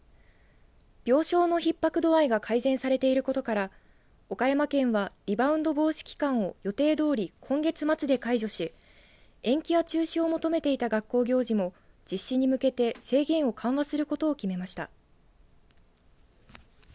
病床のひっ迫度合いが改善されていることから岡山県は、リバウンド防止期間を予定どおり今月末で解除し延期や中止を求めていた学校行事も実施に向けて制限を緩和することを決めました。